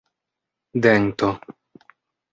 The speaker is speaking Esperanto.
dento